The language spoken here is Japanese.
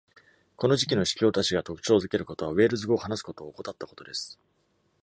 この時期の司教たちが特徴づけることは、ウェールズ語を話すことを怠ったことです。